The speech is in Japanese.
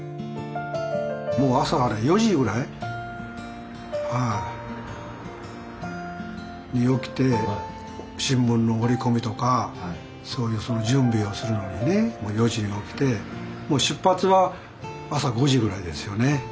もう朝４時ぐらいはいに起きて新聞の折り込みとかそういうその準備をするのにね４時に起きて出発は朝５時ぐらいですよね。